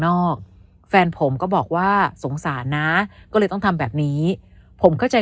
แฟนผมก็บอกว่าสงสารนะก็เลยต้องทำแบบนี้ผมเข้าใจ